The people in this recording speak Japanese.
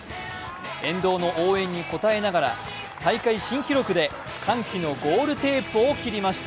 沿道の応援に応えながら大会新記録で歓喜のゴールテープを切りました。